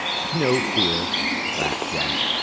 "No fear," laughed Jack.